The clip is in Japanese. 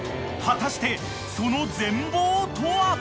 ［果たしてその全貌とは？］